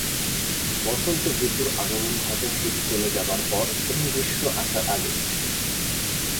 বসন্ত ঋতুর আগমন ঘটে শীত চলে যাবার পর এবং গ্রীষ্ম আসার আগে।